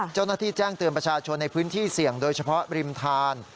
เจ้าหน้าที่แจ้งเตือนประชาชนในพื้นที่เสี่ยงโดยเฉพาะริมทาน